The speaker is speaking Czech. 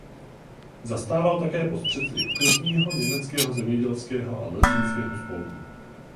Zastával také post předsedy okresního německého zemědělského a lesnického spolku.